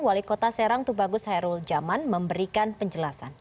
wali kota serang tubagus hairul jaman memberikan penjelasan